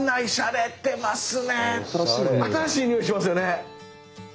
新しい匂いしますよね。